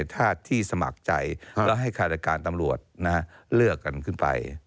ธาตุที่สมัครใจก็ให้คารายการตำรวจเลือกกันขึ้นไป